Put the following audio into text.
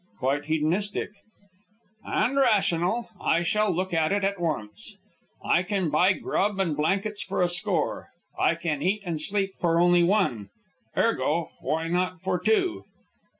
"Quite hedonistic." "And rational. I shall look to it at once. I can buy grub and blankets for a score; I can eat and sleep for only one; ergo, why not for two?"